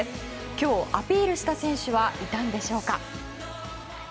今日、アピールした選手はいたんでしょうか？